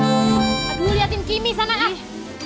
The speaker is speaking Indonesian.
aduh liatin kimmy sana ah